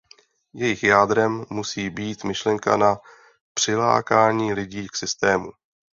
Jejich jádrem musí být myšlenka na přilákání lidí k systému.